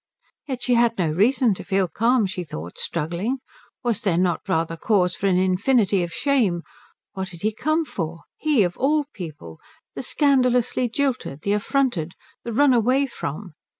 Yet she had no reason to feel calm she thought, struggling. Was there not rather cause for an infinity of shame? What had he come for? He of all people. The scandalously jilted, the affronted, the run away from.